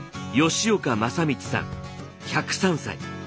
吉岡政光さん１０３歳。